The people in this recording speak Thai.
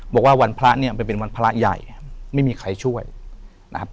บอกว่าวันพระเนี่ยมันเป็นวันพระใหญ่ไม่มีใครช่วยนะครับ